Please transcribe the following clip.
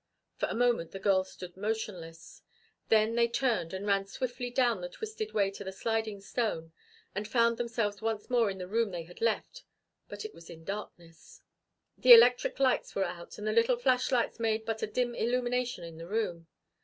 For a moment the girls stood motionless; then they turned, and ran swiftly down the twisted way to the sliding stone, and found themselves once more in the room they had left, but it was in darkness. The electric lights were out and the little flashlights made but a dim illumination in the room.